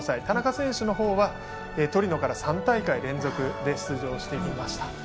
田中選手のほうはトリノから３大会連続で出場していました。